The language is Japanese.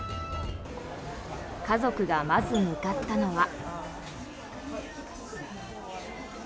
家族がまず向かったのは。